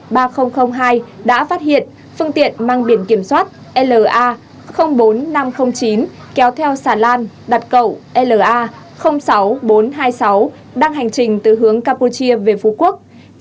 đã phát hiện phương tiện mang biển kiểm soát la bốn nghìn năm trăm linh chín kéo theo xà lan đặt cậu la sáu nghìn bốn trăm hai mươi sáu đang hành trình từ hướng campuchia về phú quốc